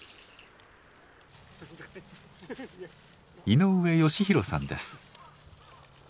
井上佳洋さんです。